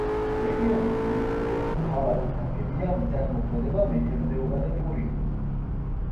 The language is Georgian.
რეგიონის ინდუსტრიის მთავარი დარგებია მიწათმოქმედება, მეთევზეობა და ტურიზმი.